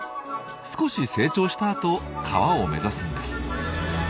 少し成長した後川を目指すんです。